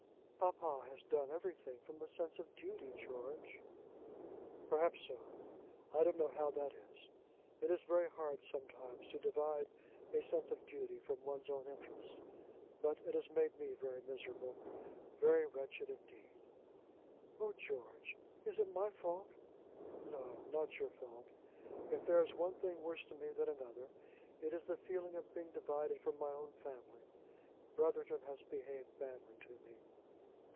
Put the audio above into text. "Papa has done everything from a sense of duty, George." "Perhaps so. I don't know how that is. It is very hard sometimes to divide a sense of duty from one's own interest. But it has made me very miserable, very wretched, indeed." "Oh George; is it my fault?" "No; not your fault. If there is one thing worse to me than another, it is the feeling of being divided from my own family. Brotherton has behaved badly to me."